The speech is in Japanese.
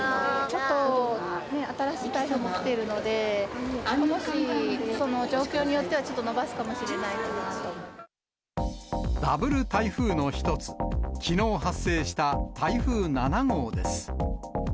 ちょっとね、新しい台風も来ているので、もし、その状況によっては、ダブル台風の１つ、きのう発生した台風７号です。